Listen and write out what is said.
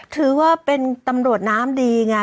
ก็เป็นตำรวจน้ำดีไง